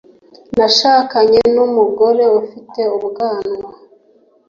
nashakanye numugore ufite ubwanwa